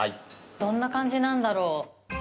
どんな感じなんだろう。